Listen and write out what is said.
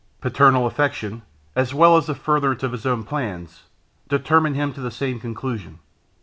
Paternal affection, as well as the furtherance of his own plans, determined him to the same conclusion.